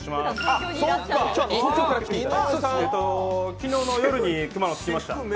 昨日の夜に熊野、着きました。